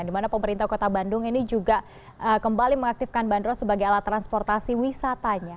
di mana pemerintah kota bandung ini juga kembali mengaktifkan bandros sebagai alat transportasi wisatanya